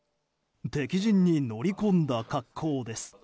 敵陣に乗り込んだ格好です。